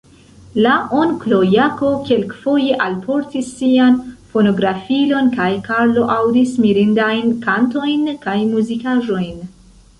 La onklo Jako kelkafoje alportis sian fonografilon, kaj Karlo aŭdis mirindajn kantojn kaj muzikaĵojn.